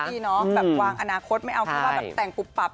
พี่น้องวางอนาคตไม่เอาเพราะว่าแต่งปรุบ